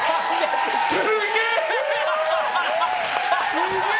すげえ！